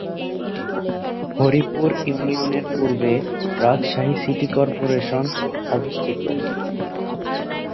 হরিপুর ইউনিয়নের পূর্বে Rajshahi city corporation অবস্থিত।